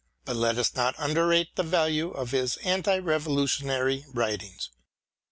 But let us not underrate the value of his anti Revolutionary writings.